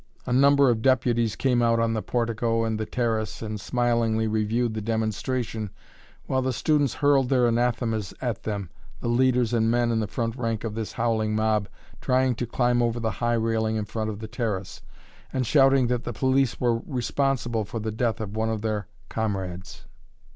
A number of deputies came out on the portico and the terrace, and smilingly reviewed the demonstration, while the students hurled their anathemas at them, the leaders and men in the front rank of this howling mob trying to climb over the high railing in front of the terrace, and shouting that the police were responsible for the death of one of their comrades.